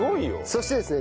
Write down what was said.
そしてですね